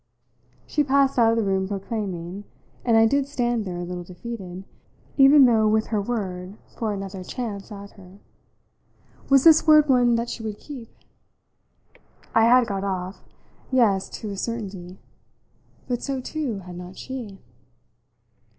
She passed out of the room proclaiming, and I did stand there a little defeated, even though with her word for another chance at her. Was this word one that she would keep? I had got off yes, to a certainty. But so too had not she?